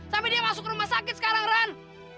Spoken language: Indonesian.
sampai dia masuk rumah sakit sekarang ran